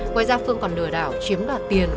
ngoài ra phương còn lừa đảo chiếm đoạt tiền